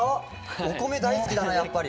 お米大好きだなやっぱり。